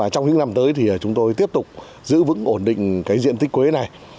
trong những năm tới chúng tôi tiếp tục giữ vững ổn định diện tích quế này